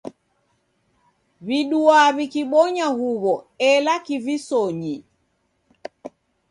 W'iduaa w'ikibonya huw'o ela kivisonyi.